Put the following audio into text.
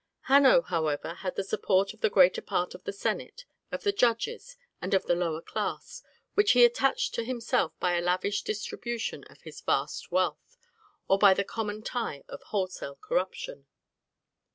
Hanno, however, had the support of the greater part of the senate, of the judges, and of the lower class, which he attached to himself by a lavish distribution of his vast wealth, or by the common tie of wholesale corruption.